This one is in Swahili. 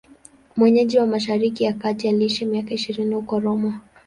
Mwenyeji wa Mashariki ya Kati, aliishi miaka ishirini huko Roma.